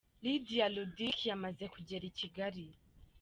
Lydia Ludic yamaze kugera i Kigali.